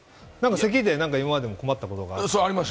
せきで今まで困ったことがあるとか。